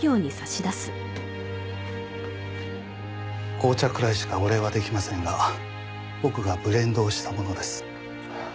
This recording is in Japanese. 紅茶くらいしかお礼は出来ませんが僕がブレンドをしたものです。